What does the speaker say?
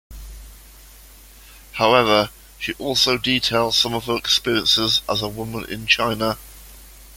However, she also details some of her own experiences as a woman in China.